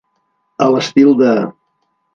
A l'estil de.